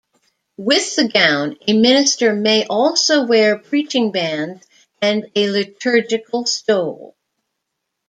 With the gown a minister may also wear preaching bands and a liturgical stole.